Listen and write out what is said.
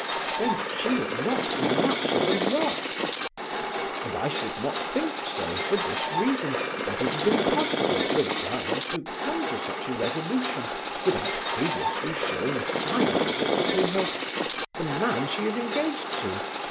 "Then she would not be much of a loss." "And I should not think so for this reason, that it is impossible for a girl to come to such a resolution without previously showing signs of it to her ... the man she is engaged to.